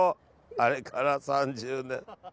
あれから３０年。